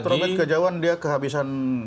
rumit rumit kejauhan dia kehabisan